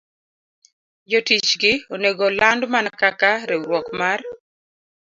Jotichgi onego land mana kaka riwruok mar